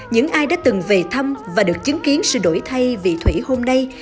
những ai đã từng về thăm và được chứng kiến sự đổi thay vị thủy hôm nay